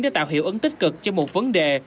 để tạo hiệu ứng tích cực cho một vấn đề